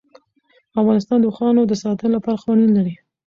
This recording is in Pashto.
افغانستان د اوښانو د ساتنې لپاره قوانین لري.